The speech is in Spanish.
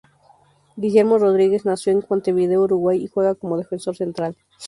Guillermo Rodríguez nació en Montevideo, Uruguay y juega como defensor central.